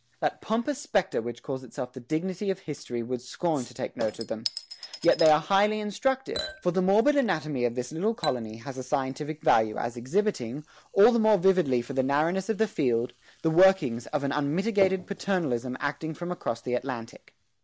That pompous spectre which calls itself the Dignity of History would scorn to take note of them; yet they are highly instructive, for the morbid anatomy of this little colony has a scientific value as exhibiting, all the more vividly for the narrowness of the field, the workings of an unmitigated paternalism acting from across the Atlantic.